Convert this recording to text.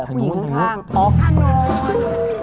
ผู้หญิงข้างอ๋อข้างนอน